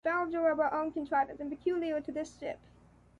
The valves are of our own contrivance, and peculiar to this ship.